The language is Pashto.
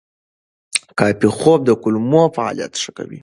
کافي خوب د کولمو فعالیت ښه کوي.